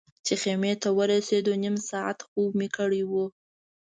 چې خیمې ته ورسېدو نیم ساعت خوب مې کړی و.